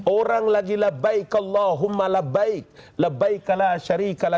orang lagi di dalam bahasa indonesia dikata